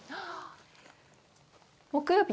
木曜日。